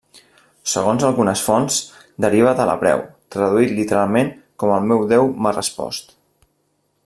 Segons algunes fonts, deriva de l'hebreu, traduït literalment com 'el meu Déu m'ha respost'.